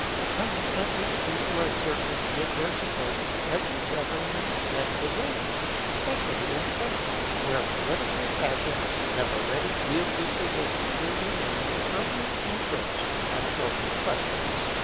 Consequently the people are certain to give their support to every government that deserves it; especially in France, where political passions have already yielded to the superior and more permanent interest of social questions.